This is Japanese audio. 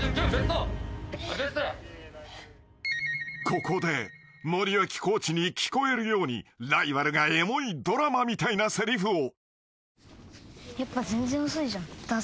［ここで森脇コーチに聞こえるようにライバルがエモいドラマみたいなせりふを］